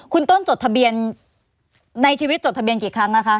คุณต้นจดทะเบียนในชีวิตจดทะเบียนกี่ครั้งนะคะ